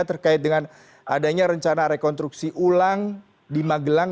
terkait dengan adanya rencana rekonstruksi ulang di magelang